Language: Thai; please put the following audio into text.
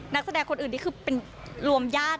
นักแสดงคนอื่นนี่คือเป็นรวมญาติ